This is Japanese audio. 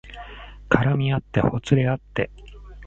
絡みあってほつれあって